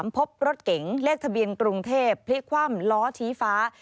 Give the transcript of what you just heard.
พบรถเก๋งเลขทะเบียนกรุงเทพพลิกคว่ำล้อชี้ฟ้า